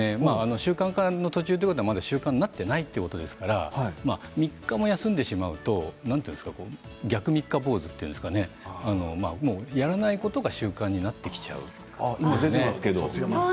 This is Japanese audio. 習慣化の途中はまだ習慣になっていないということですから３日も休んでしまうと逆三日坊主といいますかねやらないことが習慣になってきちゃうんですね。